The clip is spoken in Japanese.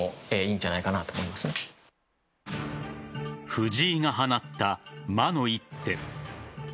藤井が放った魔の一手。